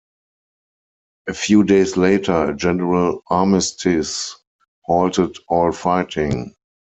A few days later, a general armistice halted all fighting.